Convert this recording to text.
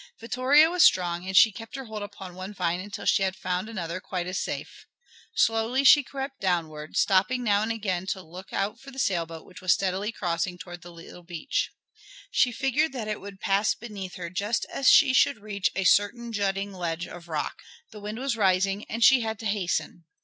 Vittoria was strong and she kept her hold upon one vine until she had found another quite as safe. Slowly she crept downward, stopping now and again to look out for the sailboat which was steadily crossing towards the little beach. She figured that it would pass beneath her just as she should reach a certain jutting ledge of rock. The wind was rising and she had to hasten.